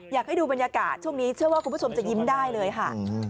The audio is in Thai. อยากให้ดูบรรยากาศช่วงนี้เชื่อว่าคุณผู้ชมจะยิ้มได้เลยค่ะ